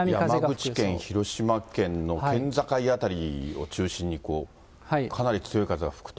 山口県、広島県の県境辺りを中心にこう、かなり強い風が吹くと。